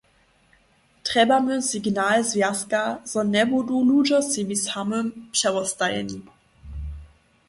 Trjebamy signal Zwjazka, zo njebudu ludźo sebi samym přewostajeni.